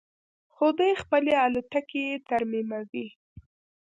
خو دوی خپلې الوتکې ترمیموي.